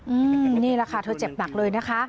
นี่แหละค่ะเธอเจ็บหนักเลยนะคะ